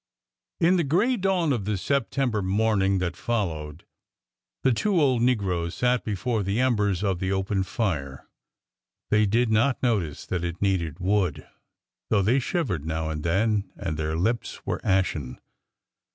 In the gray dawn of the September morning that fol lowed, the two old negroes sat before the embers of the open fire. They did not notice that it needed wood, though they shivered now and then and their lips were ashen.